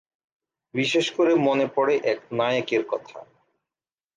বিশেষ করে মনে পড়ে এক নায়েকের কথা।